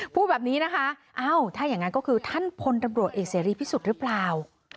พูดแบบนี้นะคะเอ้าถ้าอย่างนั้นก็คือท่านพลตำรวจเอกเสรีพิสุทธิ์หรือเปล่า